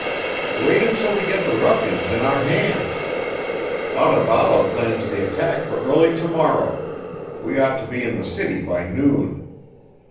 "Wait until we get the ruffians in our hands. Otaballo plans the attack for early to morrow; we ought to be in the city by noon.